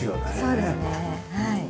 そうですねはい。